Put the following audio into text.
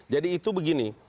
jadi itu begini